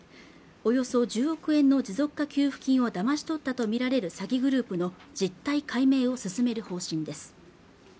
およそ１０億円の持続化給付金をだまし取ったと見られる詐欺グループの実態解明を進める方針です